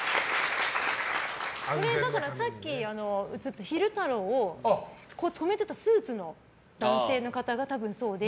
さっき映った昼太郎を止めてたスーツの男性の方が多分そうで。